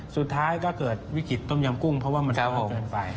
สุดท้ายก็เกิดวิกฤตต้มยำกุ้งเพราะว่ามันโตเกินไป